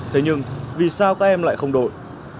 thế nhưng vì sao các em lại không đổi